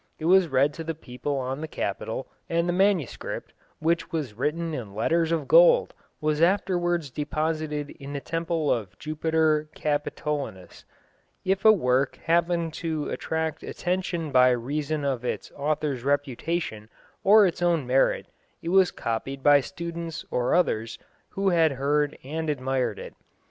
It was read to the people on the Capitol, and the manuscript, which was written in letters of gold, was afterwards deposited in the temple of Jupiter Capitolinus. If a work happened to attract attention by reason of its author's reputation or its own merit, it was copied by students or others who had heard and admired it.